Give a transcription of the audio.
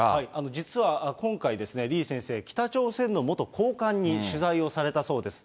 実は今回ですね、李先生、北朝鮮の元高官に取材をされたそうです。